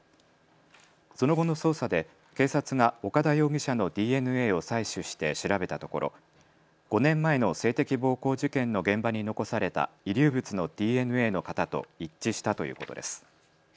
その後の捜査で警察が岡田容疑者のＤＮＡを採取して調べたところ５年前の性的暴行事件の現場に残された遺留物のＤＮＡの型と一致したということです。